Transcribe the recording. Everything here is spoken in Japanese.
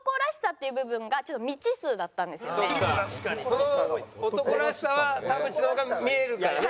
その男らしさは田渕の方が見えるからね。